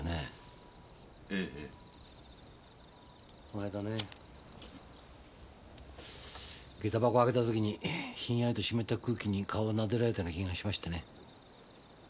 こないだね下駄箱開けた時にひんやりと湿った空気に顔なでられたような気がしまして。